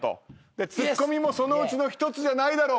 ツッコミもそのうちの一つじゃないだろうかと。